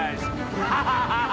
アハハハハ！